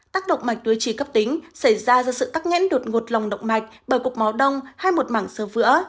tắc động mạch đối trí cấp tính xảy ra do sự tắc nghẽn đột ngột lòng động mạch bởi cục máu đông hay một mảng sơ vỡ